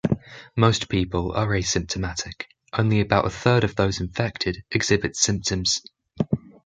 Most people are asymptomatic; only about a third of those infected exhibit symptoms.